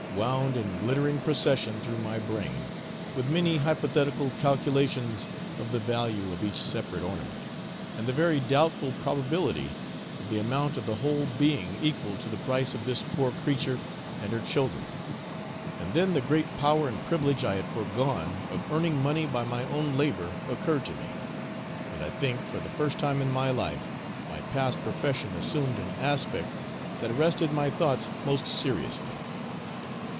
wound in glittering procession through my brain, with many hypothetical calculations of the value of each separate ornament, and the very doubtful probability of the amount of the whole being equal to the price of this poor creature and her children; and then the great power and privilege I had foregone of earning money by my own labour occurred to me; and I think, for the first time in my life, my past profession assumed an aspect that arrested my thoughts most seriously.